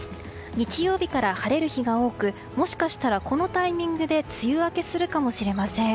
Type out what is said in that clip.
日曜日から晴れる日が多くもしかしたらこのタイミングで梅雨明けするかもしれません。